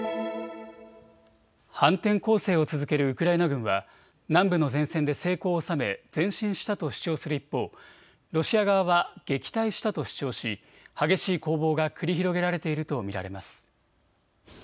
反転攻勢を続けるウクライナ軍は南部の前線で成功を収め前進したと主張する一方、ロシア側は撃退したと主張し激しい攻防が繰り広げられていると見られます。